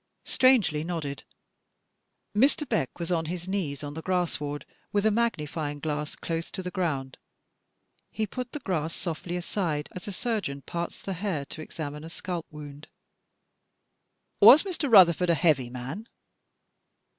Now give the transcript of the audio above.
Strangely nodded. Mr. Beck was on his knees on the grass sward with a magnif3dng glass close to the ground. He put the grass sc^tly aside as a surgeon parts the hair to examine a scalp wotmd. "Was Mr. Rutherford a heavy man?"